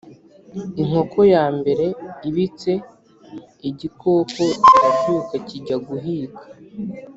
inkoko ya mbere ibitse igikoko kirabyuka kijya guhiga